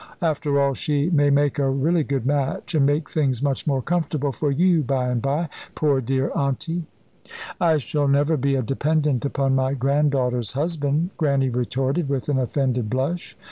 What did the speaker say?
After all, she may make a really good match, and make things much more comfortable for you by and by, poor dear Auntie." "I shall never be a dependent upon my granddaughter's husband," Grannie retorted, with an offended blush.